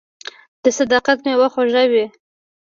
• د صداقت میوه خوږه وي.